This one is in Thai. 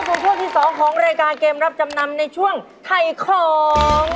แล้วเข้าสู่ช่วงที่สองของรายการเกมรับจำนำในช่วงไทยของเอ